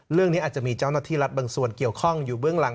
เรื่องนี้อาจจะมีเจ้าหน้าที่รัฐบางส่วนเกี่ยวข้องอยู่เบื้องหลัง